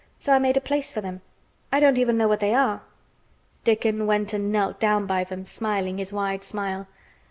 So I made a place for them. I don't even know what they are." Dickon went and knelt down by them, smiling his wide smile.